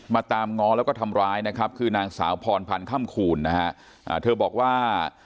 มาตามงอแล้วก็ทำร้ายนะครับคือนางสาวพรพันค่ำคูณเธอบอกว่า